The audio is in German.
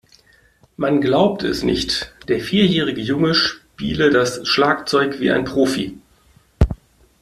Man glaubte es nicht, der vierjährige Junge spiele das Schlagzeug wie ein Profi.